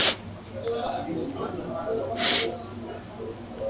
lakini najua tulipotoka